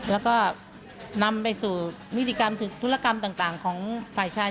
แล้วก็นำไปสู่นิติกรรมธุรกรรมต่างของฝ่ายชาย